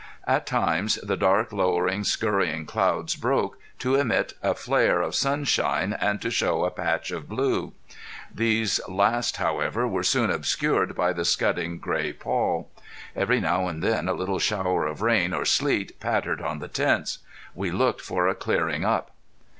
At times the dark, lowering, scurrying clouds broke to emit a flare of sunshine and to show a patch of blue. These last however were soon obscured by the scudding gray pall. Every now and then a little shower of rain or sleet pattered on the tents. We looked for a clearing up.